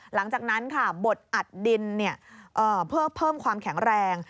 หลังจากนั้นค่ะบดอัดดินเพื่อเพิ่มความแข็งแรง